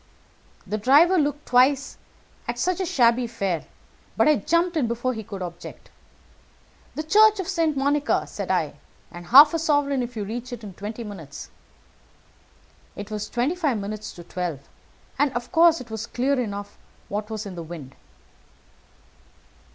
The driver looked twice at such a shabby fare; but I jumped in before he could object. 'The Church of St. Monica,' said I, 'and half a sovereign if you reach it in twenty minutes.' It was twenty five minutes to twelve, and of course it was clear enough what was in the wind.